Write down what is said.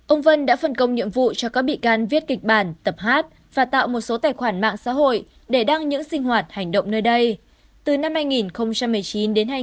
ông vân đã phân công nhiệm vụ cho các bị can viết kịch bản tập hát và tạo một số tài khoản mạng xã hội để đăng những sinh hoạt hành động nơi đây